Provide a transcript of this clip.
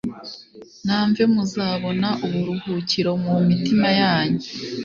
namve muzabona uburuhukiro mu mitima yanyu."